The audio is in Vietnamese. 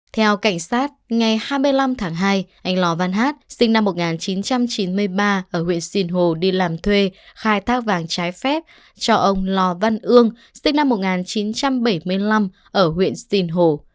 theo cảnh sát ngày hai mươi năm tháng hai anh lò văn hát sinh năm một nghìn chín trăm chín mươi ba ở huyện sinh hồ đi làm thuê khai thác vàng trái phép cho ông lò văn ương sinh năm một nghìn chín trăm bảy mươi năm ở huyện sìn hồ